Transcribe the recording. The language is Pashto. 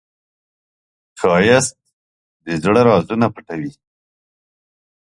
ښایست د زړه رازونه پټوي